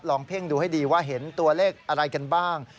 เพ่งดูให้ดีว่าเห็นตัวเลขอะไรกันบ้าง